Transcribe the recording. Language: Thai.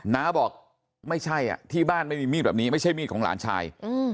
น้าบอกไม่ใช่ที่บ้านไม่มีมีดแบบนี้ไม่ใช่มีดของหลานชาย